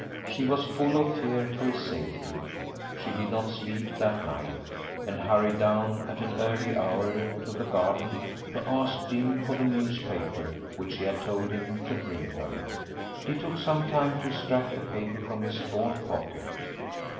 She was full of fear for his safety; she did not sleep that night, and hurried down at an early hour to the garden to ask Jim for the newspaper which she had told him to bring her. He took some time to extract the paper from his torn pocket.